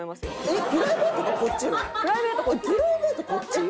えっ？